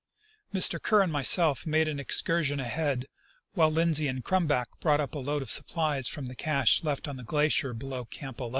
Mr. Kerr and myself made an excursion ahead, while Lindsey and Crnmback brought up a load of supplies from the cache left on the glacier below Camp 11.